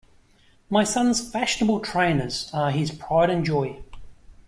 My son's fashionable trainers are his pride and joy